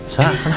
sah kenapa sah